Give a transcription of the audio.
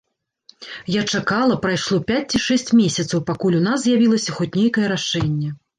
Я чакала, прайшло пяць ці шэсць месяцаў, пакуль у нас з'явілася хоць нейкае рашэнне.